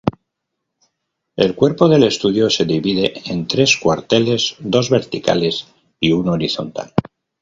El cuerpo del escudo se divide en tres cuarteles, dos verticales y uno horizontal.